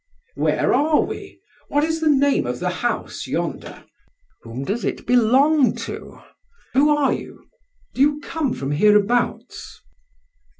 "Where are we? What is the name of the house yonder? Whom does it belong to? Who are you? Do you come from hereabouts?"